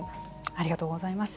ありがとうございます。